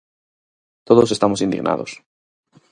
Todos estamos indignados.